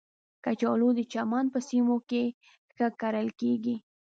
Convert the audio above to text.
کچالو د چمن په سیمو کې ښه کرل کېږي